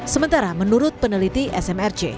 sementara menurut peneliti smrc